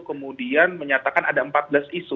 kemudian menyatakan ada empat belas isu